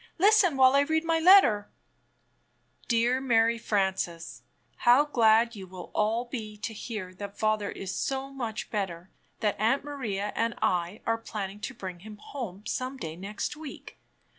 "Listen while I read my letter: Dear Mary Frances: How glad you will all he to hear that father is so much better that Aunt Maria and I are planning to bring him home some day next week.